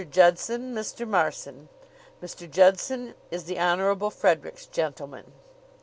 Judson, Mr. Marson. Mr. Judson is the Honorable Frederick's gentleman."